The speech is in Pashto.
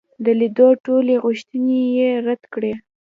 د لیدلو ټولي غوښتني یې رد کړې.